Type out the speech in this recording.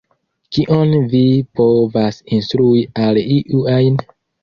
Kion mi povas instrui al iu ajn?